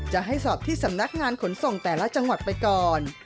จะให้สอบที่สำนักงานขนส่งแต่ละจังหวัดไปก่อน